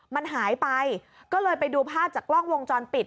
มันหายไปก็เลยไปดูภาพจากกล้องวงจรปิด